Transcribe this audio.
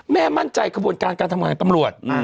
มั่นใจกระบวนการการทำงานของตำรวจ